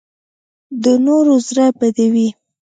د نورو زړه بدوي